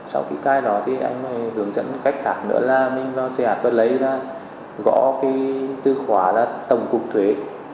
sau khi cài đặt thì anh hướng dẫn cách khác nữa là mình vào chp lấy ra gõ cái từ khóa là tổng cục thuế